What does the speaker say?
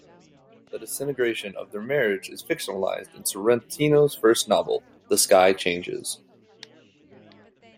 The disintegration of their marriage is fictionalized in Sorrentino's first novel, "The Sky Changes".